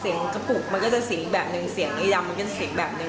เสียงกระปุกมันก็จะเสียงอีกแบบนึงเสียงดีดำมันก็เสียงแบบหนึ่ง